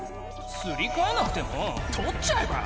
すりかえなくてもとっちゃえば？